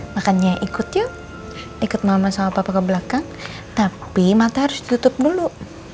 makanya ikut yuk ikut mama sama papa ke belakang tapi mata harus tutup dulu